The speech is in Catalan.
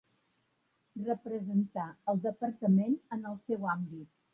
Representar el Departament en el seu àmbit.